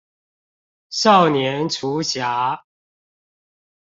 少年廚俠